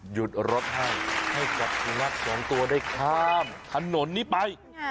หยุดรถให้ให้กับสุนัขสองตัวได้ข้ามถนนนี้ไป